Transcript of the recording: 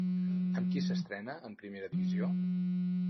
Amb qui s'estrena en primera divisió?